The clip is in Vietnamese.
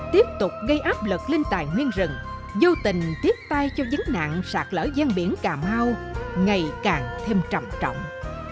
tiếp tục gây áp lực lên tài nguyên rừng vô tình tiếp tay cho vấn nạn sạt lỡ gian biển cà mau ngày càng thêm trầm trọng